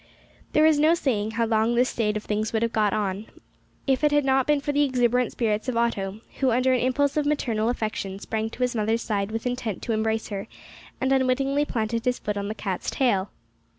There is no saying how long this state of things would have gone on, if it had not been for the exuberant spirits of Otto, who, under an impulse of maternal affection, sprang to his mother's side with intent to embrace her, and unwittingly planted his foot on the cat's tail.